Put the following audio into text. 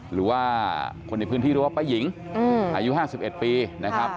หรือว่าคนในพื้นที่รู้ว่าป้าหญิงอายุ๕๑ปีนะครับ